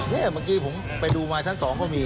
นี่เมื่อกี้ผมไปดูมาชั้น๒ก็มี